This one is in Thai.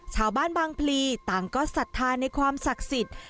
ชาวบ้านบางพลีต่างก็ศรัทธาในความศักดิ์สิทธิ์